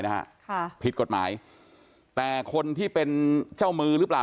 นะฮะค่ะผิดกฎหมายแต่คนที่เป็นเจ้ามือหรือเปล่า